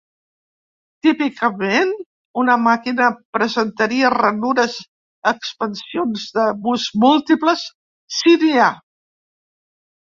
Típicament, una màquina presentaria ranures d'expansions de bus múltiples, si n'hi ha.